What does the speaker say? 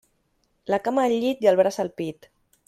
La cama al llit i el braç al pit.